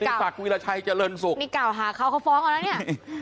กิจในฝักวิราชัยเจริญศุกร์พี่เก่าหาเขาเข้าฟ้องแล้วเนี้ย